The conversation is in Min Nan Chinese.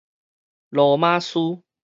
羅馬書